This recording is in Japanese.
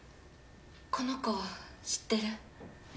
この子知ってる？